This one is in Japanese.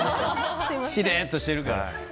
しれーっとしてるから。